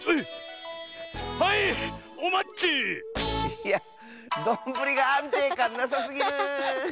いやどんぶりがあんていかんなさすぎる！